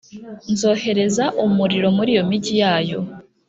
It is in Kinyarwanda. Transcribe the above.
nzohereza umuriro muri iyo migi yayo,